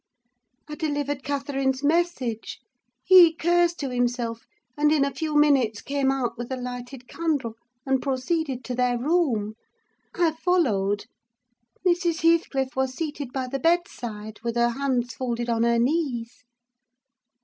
"I delivered Catherine's message. He cursed to himself, and in a few minutes came out with a lighted candle, and proceeded to their room. I followed. Mrs. Heathcliff was seated by the bedside, with her hands folded on her knees.